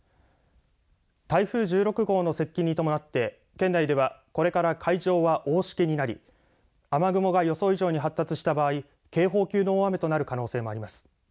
台風１６号の接近に伴って県内ではこれから海上は大しけになり雨雲が予想以上に発達した場合警報級の大雨となる可能性もあります。